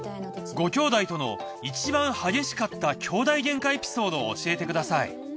ごきょうだいとのいちばん激しかった兄弟ゲンカエピソードを教えてください。